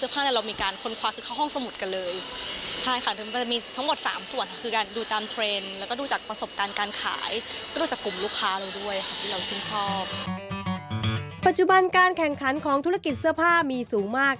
ปัจจุบันการแข่งขันของธุรกิจเสื้อผ้ามีสูงมาก